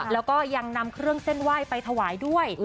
แล้วก็ยังนำเครื่องเส้นไหว้ไปถวายด้วย